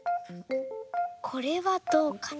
これはどうかな？